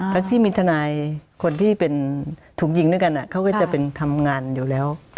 แล้วที่มีทนายคนที่เป็นถูกยิงด้วยกันเขาก็จะเป็นทำงานอยู่แล้ว